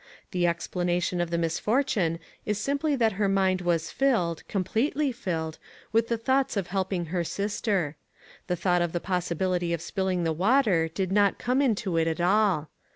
The explanation of the misfortune is simply that her mind was filled, completely filled, with the thoughts of helping her sister. The thought of the possibility of spilling the water did not come into it at all.